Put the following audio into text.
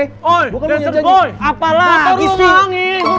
woy dancer boy apa lagi sih